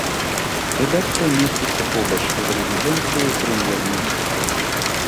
Рэдакцыя месціцца побач з рэзідэнцыяй прэм'ер-міністра.